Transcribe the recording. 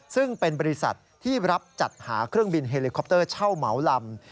ซึ่งเป็นบริษัทที่รับจัดหาเครื่องบินเฮลิคอปเตอร์เช่าเหมาลำ